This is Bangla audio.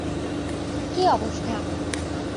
কি অবস্থা?